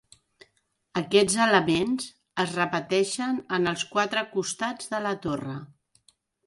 Aquests elements es repeteixen en els quatre costats de la torre.